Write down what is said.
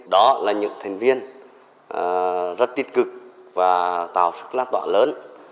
đó là những thành viên rất tiết cực và tạo sức lãng tỏa lớn